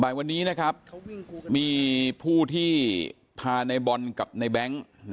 วันนี้นะครับมีผู้ที่พาในบอลกับในแบงค์